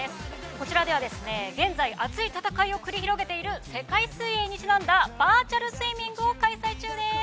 こちらでは現在、熱い戦いを繰り広げている世界水泳にちなんだバーチャルスイミングを開催中です。